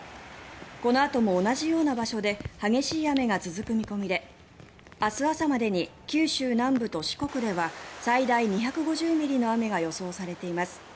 このあとも同じような場所で激しい雨が続く見込みで明日朝までに九州南部と四国では最大２５０ミリの雨が予想されています。